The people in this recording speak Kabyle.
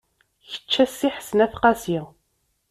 Kečč a Si Ḥsen At Qasi.